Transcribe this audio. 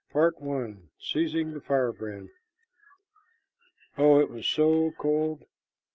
PART I. SEIZING THE FIREBRAND. Oh, it was so cold!